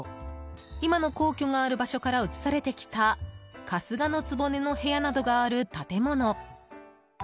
今の皇居がある場所から移されてきた春日局の部屋などがある建物。